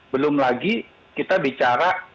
belum lagi kita bicara